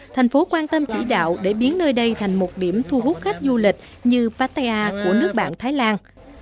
thành phố quan tâm chỉ đạo để biến nơi đây thành một điểm thu hút khách du lịch như pataya của nước bạn thái lan